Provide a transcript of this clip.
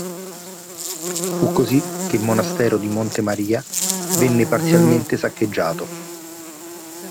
Fu così che il monastero di Monte Maria venne parzialmente saccheggiato.